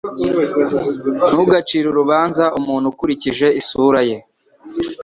Ntugacire urubanza umuntu ukurikije isura ye.